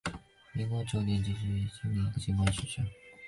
民国九年肄业于金陵警官学校。